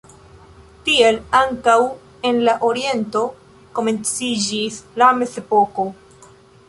Tiel ankaŭ en la oriento komenciĝis la mezepoko.